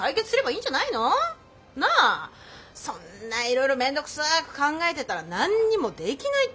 そんないろいろ面倒くさく考えてたら何にもできないって。